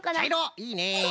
いいね。